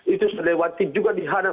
itu sudah lewatin juga dihadang